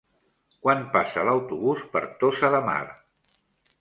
Quan passa l'autobús per Tossa de Mar?